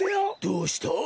どうした！？